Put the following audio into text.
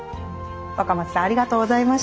若松さんありがとうございました。